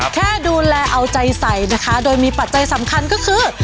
แค่ดูแลเอาใจใสนะคะโดยมีปัจจัยสำคัญก็คือ